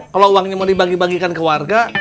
kalau uangnya mau dibagi bagikan ke warga